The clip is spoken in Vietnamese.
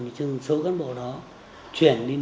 nhưng số cán bộ đó chuyển đi